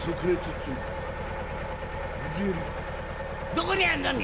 「どこにあんの？水！」。